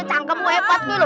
sangka mu hebat